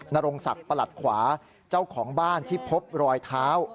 นรงศักดิ์ประหลัดขวาเจ้าของบ้านที่พบรอยเท้า